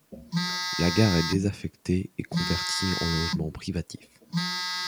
La gare est désaffectée et convertie en logement privatif.